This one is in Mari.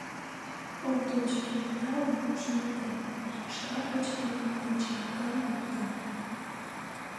Овдоч, кенета ала-мом шоналтен, шкаф гыч пел кленча аракам лукто.